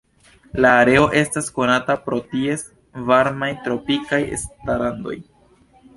La areo estas konata pro ties varmaj tropikaj strandoj.